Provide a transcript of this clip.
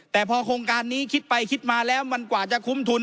แต่พอโครงการนี้คิดไปคิดมาแล้วมันกว่าจะคุ้มทุน